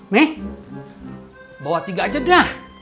nih bawa tiga aja dah